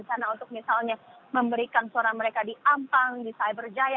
dan saya rencana untuk misalnya memberikan suara mereka di ampang di cyberjaya